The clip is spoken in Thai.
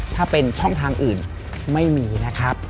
ถ้าเป็นช่องทางอื่นไม่มีนะครับ